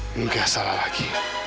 mungkin aja salah lagi